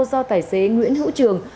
do tài xế nguyễn hữu trường